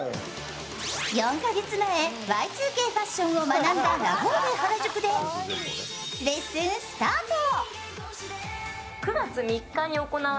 ４か月前、Ｙ２Ｋファッションを学んだラフォーレ原宿でレッスンスタート。